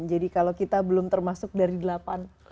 jadi kalau kita belum termasuk dari delapan